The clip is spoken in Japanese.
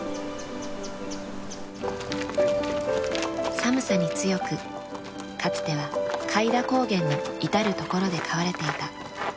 寒さに強くかつては開田高原の至る所で飼われていた木曽馬。